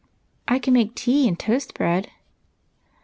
" I can make tea and toast bread."